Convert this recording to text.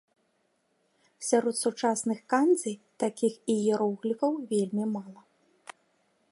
Сярод сучасных кандзі такіх іерогліфаў вельмі мала.